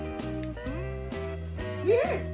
うん！